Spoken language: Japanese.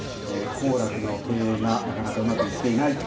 幸楽の経営がなかなかうまくいっていないと。